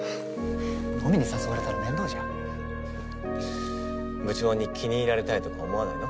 飲みに誘われたら面倒じゃん部長に気に入られたいとか思わないの？